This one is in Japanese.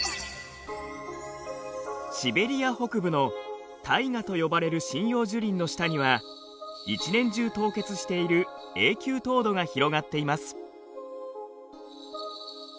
シベリア北部のタイガと呼ばれる針葉樹林の下には一年中凍結している永久凍土が広がっています。